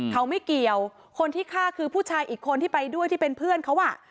เขาไม่เกี่ยวคนที่ฆ่าคือผู้ชายอีกคนที่ไปด้วยที่เป็นเพื่อนเขาอ่ะ